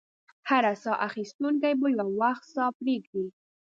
هر ساه اخیستونکی به یو وخت ساه پرېږدي.